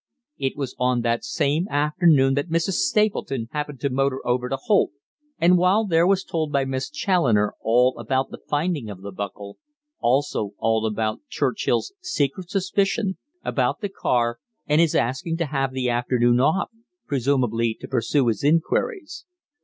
It was on that same afternoon that Mrs. Stapleton happened to motor over to Holt, and while there was told by Miss Challoner all about the finding of the buckle, also all about Churchill's secret suspicion about the car, and his asking to have the afternoon off, presumably to pursue his inquiries.